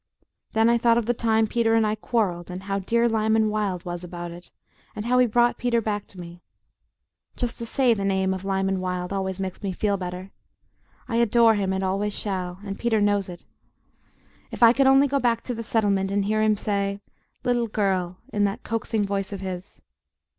Then I thought of the time Peter and I quarrelled, and how DEAR Lyman Wilde was about it, and how he brought Peter back to me just to say the name of Lyman Wilde always makes me feel better. I adore him, and always shall, and Peter knows it. If I could only go back to the Settlement and hear him say, "Little girl," in that coaxing voice of his!